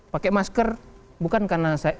pakai masker bukan karena